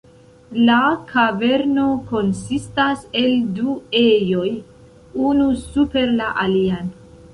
La kaverno konsistas el du ejoj, unu super la alian.